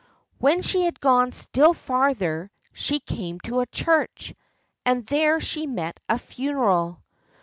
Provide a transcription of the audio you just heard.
When she had gone still farther, she came to a church, and there she met a funeral.